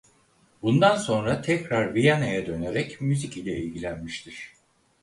Bundan sonra tekrar Viyana'ya dönerek müzik ile ilgilenmiştir.